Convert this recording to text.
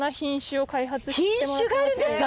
品種があるんですか！？